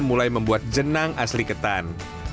mulai membuat jenang asli ketan